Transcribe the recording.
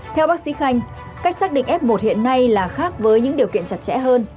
theo bác sĩ khanh cách xác định f một hiện nay là khác với những điều kiện chặt chẽ hơn